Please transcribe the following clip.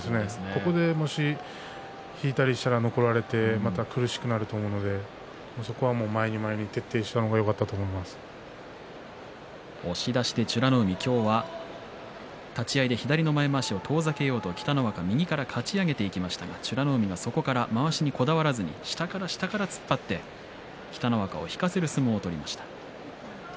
ここでもし引いたりしたら残られてまた苦しくなると思うのでそこは前に前に徹底したのが押し出して美ノ海今日は立ち合いで左の前まわしを遠ざけようと北の若、右からかち上げていきましたが美ノ海がそこからまわしにこだわらずに下から下から突っ張って北の若を引かせる相撲を取りました。